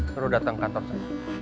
suruh datang kantor saya